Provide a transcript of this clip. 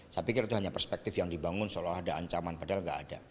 saya pikir itu hanya perspektif yang dibangun seolah olah ada ancaman padahal tidak ada